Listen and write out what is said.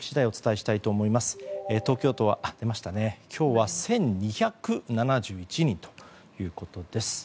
東京都は今日は１２７１人ということです。